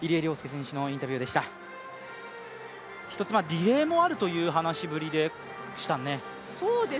リレーもあるという話しぶりでしたね。